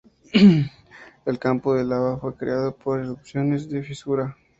El campo de lava fue creado por erupciones de fisura.